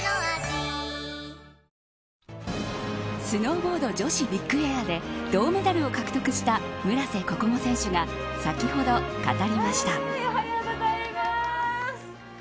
スノーボード女子ビッグエアで銅メダルを獲得した村瀬心椛選手がおはようございます。